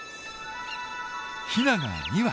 ヒナが２羽。